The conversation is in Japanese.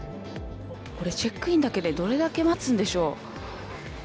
これ、チェックインだけでどれだけ待つんでしょう。